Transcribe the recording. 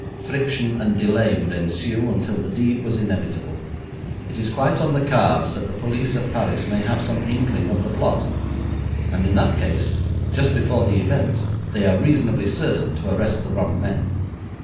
Friction and delay would ensue until the deed was inevitable. It is quite on the cards that the police of Paris may have some inkling of the plot, and in that case, just before the event, they are reasonably certain to arrest the wrong men.